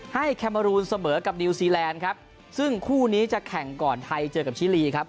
แคมเมอรูนเสมอกับนิวซีแลนด์ครับซึ่งคู่นี้จะแข่งก่อนไทยเจอกับชิลีครับ